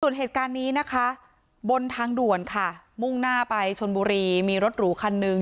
ส่วนเหตุการณ์นี้นะคะบนทางด่วนค่ะมุ่งหน้าไปชนบุรีมีรถหรูคันนึง